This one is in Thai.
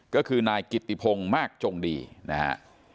ก็คือนายกิตติพงศ์มากจงดีนะฮะ